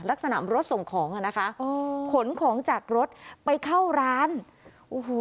ลักษณะรถส่งของอ่ะนะคะอ๋อขนของจากรถไปเข้าร้านโอ้โห